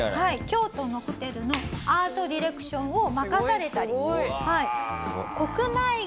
京都のホテルのアートディレクションを任されたり。